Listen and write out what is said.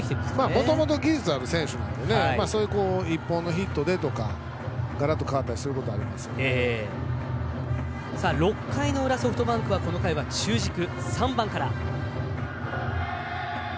もともと技術のある選手なので１本のヒットでがらっと変わったりすることが６回の裏ソフトバンクは中軸３番から。